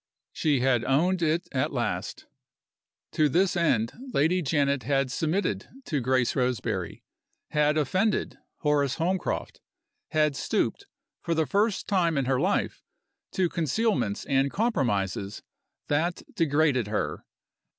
She had owned it at last! To this end Lady Janet had submitted to Grace Roseberry; had offended Horace Holmcroft; had stooped, for the first time in her life, to concealments and compromises that degraded her.